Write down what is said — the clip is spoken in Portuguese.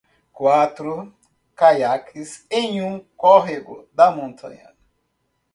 Quatro caiaques em um córrego da montanha.